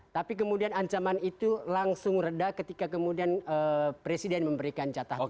tapi kemudian ancaman itu langsung reda ketika kemudian presiden memberikan catatan